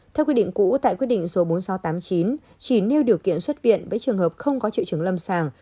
theo quy định cũ tại quyết định số bốn nghìn sáu trăm tám mươi chín chỉ nêu điều kiện xuất viện với trường hợp không có triệu chứng lâm sàng